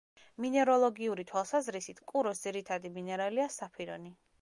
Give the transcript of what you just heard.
მინეროლოგიური თვალსაზრისით, კუროს ძირითადი მინერალია: საფირონი.